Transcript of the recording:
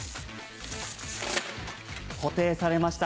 固定されました